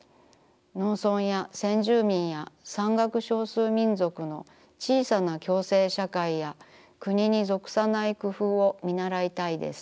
農村や先住民や山岳少数民族のちいさな共生社会や国に属さないくふうをみならいたいです。